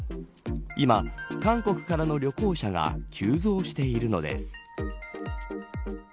今、韓国からの旅行者が急増しているのです。